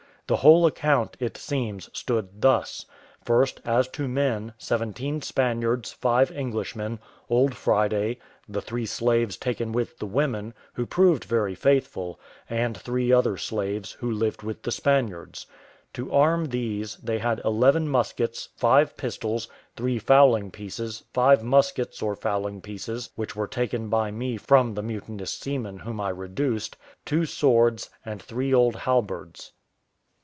The whole account, it seems, stood thus: first, as to men, seventeen Spaniards, five Englishmen, old Friday, the three slaves taken with the women, who proved very faithful, and three other slaves, who lived with the Spaniards. To arm these, they had eleven muskets, five pistols, three fowling pieces, five muskets or fowling pieces which were taken by me from the mutinous seamen whom I reduced, two swords, and three old halberds.